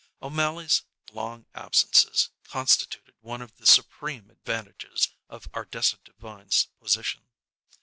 O'Mally's long absences constituted one of the supreme advantages of Ardessa Devine's position.